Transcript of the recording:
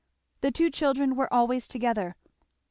The two children were always together.